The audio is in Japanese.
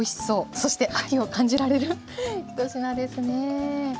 そして秋を感じられる一品ですね。